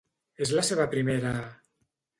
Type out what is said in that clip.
És la seva primera...?